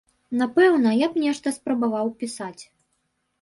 Напэўна, я б нешта спрабаваў пісаць.